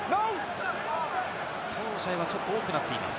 きょうの試合は、ちょっと多くなっています。